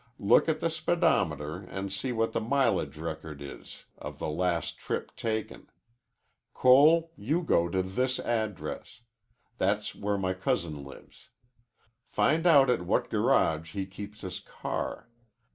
Look at the speedometer an' see what the mileage record is of the last trip taken. Cole, you go to this address. That's where my cousin lives. Find out at what garage he keeps his car.